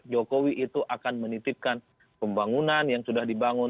jokowi itu akan menitipkan pembangunan yang sudah dibangun